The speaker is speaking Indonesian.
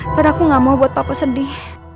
padahal aku gak mau buat papa sedih